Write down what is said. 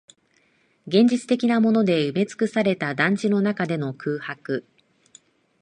現実的なもので埋めつくされた団地の中での空白